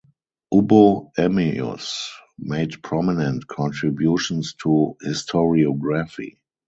Ubbo Emmius made prominent contributions to historiography.